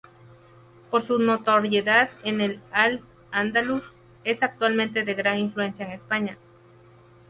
Por su notoriedad en Al Andalus, es actualmente de gran influencia en España.